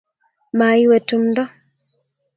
maiwe tumdo